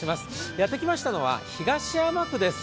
やってきましたのは東山区です。